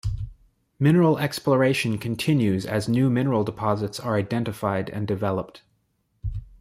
Mineral exploration continues as new mineral deposits are identified and developed.